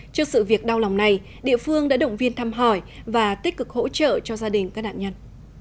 trước sự việc đau lòng này địa phương đã động viên thăm hỏi và tích cực hỗ trợ cho gia đình các nạn nhân